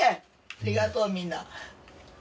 ありがとうみんな。